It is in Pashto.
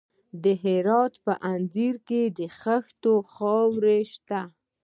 د هرات په انجیل کې د خښتو خاوره شته.